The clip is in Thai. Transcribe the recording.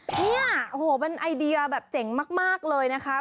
เนี่ยโอ้โหเป็นไอเดียแบบเจ๋งมากเลยนะคะ